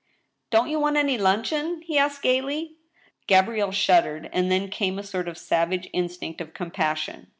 " Don't you want any luncheon ?" he asked, gayly. Gabrielle shuddered, and then came a sort of savage instinct of compassion.